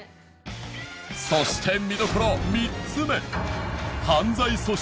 そして見どころ３つ目